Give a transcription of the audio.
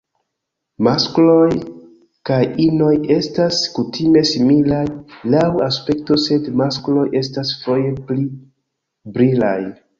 Maskloj kaj inoj estas kutime similaj laŭ aspekto, sed maskloj estas foje pli brilaj.